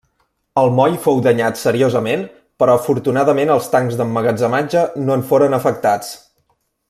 El moll fou danyat seriosament, però afortunadament els tancs d'emmagatzematge no en foren afectats.